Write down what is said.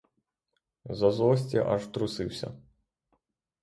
Зо злості аж трусився.